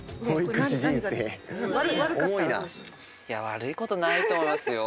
悪いことないと思いますよ。